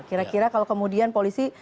kira kira kalau kemudian polisi